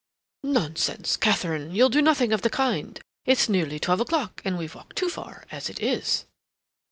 "Nonsense, Katharine; you'll do nothing of the kind. It's nearly twelve o'clock, and we've walked too far as it is."